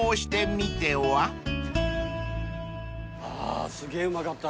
あすげえうまかったな。